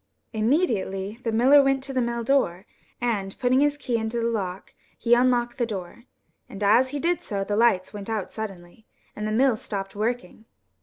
Immediately the miller went to the mill door, and, putting his key into the lock, he unlocked the door ; The Fairies' Mint. 43 and as he did so the lights went out suddenly, and the mill stopped working.